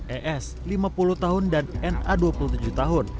es lima puluh tahun dan na dua puluh tujuh tahun